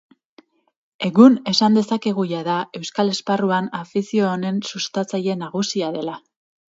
Egun, esan dezakegu jada, euskal esparruan afizio honen sustatzaile nagusia dela.